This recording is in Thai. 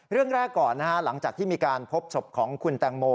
เรื่องแรกก่อนนะฮะหลังจากที่มีการพบศพของคุณแตงโม